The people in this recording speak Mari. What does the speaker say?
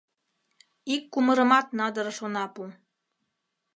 — Ик кумырымат надырыш она пу!